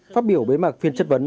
phát biểu bế mạc phiên chất vấn